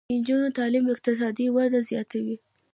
د نجونو تعلیم اقتصادي وده زیاتوي.